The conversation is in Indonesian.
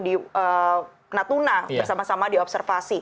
di natuna bersama sama diobservasi